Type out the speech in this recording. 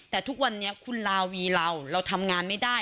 แต่ทุกวันนี้คุณลาวีเราเราทำงานไม่ได้